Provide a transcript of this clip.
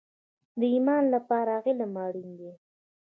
د ایمان لپاره علم اړین دی